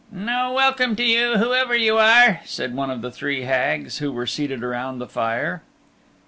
"No welcome to you, whoever you are," said one of the three Hags who were seated around the fire.